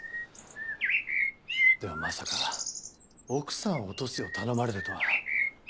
でもまさか奥さんを落とすよう頼まれるとは。